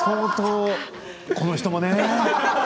この人もね。